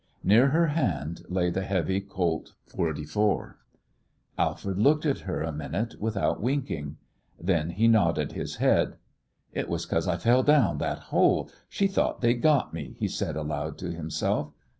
Near her hand lay the heavy Colt's 44. Alfred looked at her a minute without winking. Then he nodded his head. "It was 'cause I fell down that hole she thought they'd got me!" he said aloud to himself.